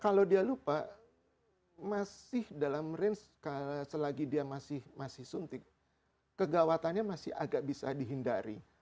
kalau dia lupa masih dalam range selagi dia masih suntik kegawatannya masih agak bisa dihindari